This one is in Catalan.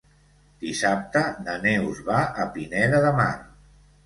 Dissabte na Neus va a Pineda de Mar.